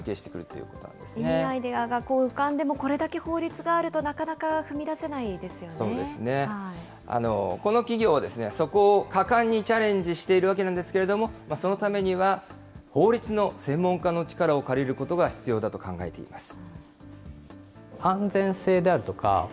いいアイデアが浮かんでも、これだけ法律があると、なかなかそうですね、この企業はそこを果敢にチャレンジしているわけなんですけれども、そのためには法律の専門家の力を借りることが必要だと考えています。